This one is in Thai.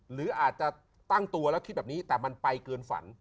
หรืออาจจะตั้งตัวแล้วคิดแบบนี้แต่มันไปเกินฝัน